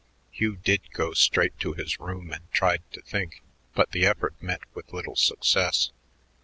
Hugh did go straight to his room and tried to think, but the effort met with little success.